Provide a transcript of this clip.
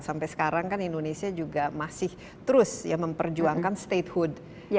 sampai sekarang kan indonesia juga masih terus memperjuangkan statehood